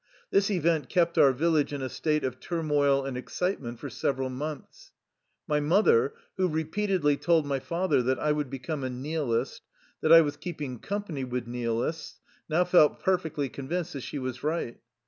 This event kept our village in a state of turmoil and excitement for several months. My mother, who repeatedly told my father that I would become a " nihilist," that I was keeping company with " nihilists," now felt perfectly convinced that she was right.